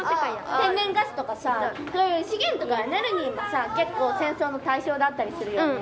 天然ガスとかさそういう資源とかエネルギーがさ結構戦争の対象だったりするよね。